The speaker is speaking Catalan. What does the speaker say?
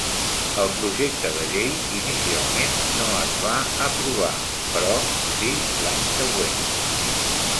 El projecte de llei inicialment no es va aprovar, però sí l'any següent.